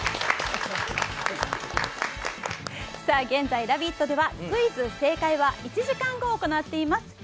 現在「ラヴィット！」では「クイズ☆正解は一時間後」を行っています。